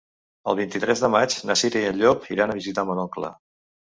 El vint-i-tres de maig na Cira i en Llop iran a visitar mon oncle.